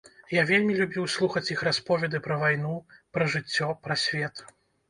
Я вельмі любіў слухаць іх расповеды пра вайну, пра жыццё, пра свет.